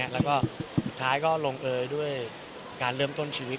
แล้วก็สุดท้ายก็ลงเอยด้วยการเริ่มต้นชีวิต